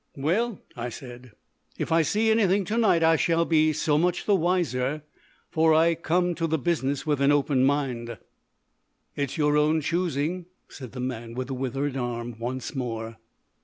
"Well," I said, "if I see anything to night, I shall be so much the wiser. For I come to the business with an open mind." "It's your own choosing," said the man with the withered arm once more.